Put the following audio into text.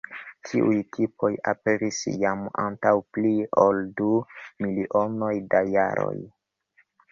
Tiuj tipoj aperis jam antaŭ pli ol du milionoj da jaroj.